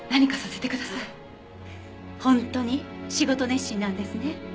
本当に仕事熱心なんですね。